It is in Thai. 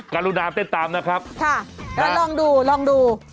การุนามเต้นตามนะครับค่ะลองดู